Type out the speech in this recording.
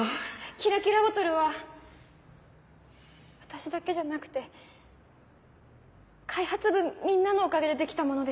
キラキラボトルは私だけじゃなくて開発部みんなのおかげでできたものです。